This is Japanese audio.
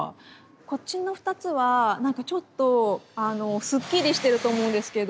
こっちの２つはなんかちょっとすっきりしてると思うんですけど。